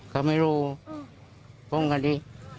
เขาไม่รู้ป้องกันดิ